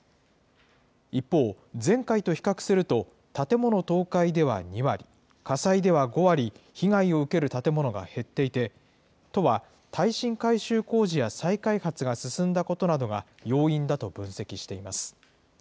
一方、前回と比較すると、建物倒壊では２割、火災では５割、被害を受ける建物が減っていて、都は、耐震改修工事や再開発が進んだことなどが、要因だと分析しています。